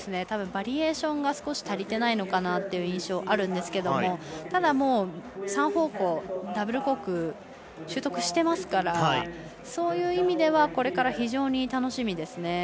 たぶんバリエーションが少し足りてないのかなって印象、あるんですけどただ、３方向ダブルコーク習得してますからそういう意味ではこれから非常に楽しみですね。